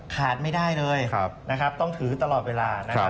ขาดไม่ได้เลยนะครับต้องถือตลอดเวลานะครับ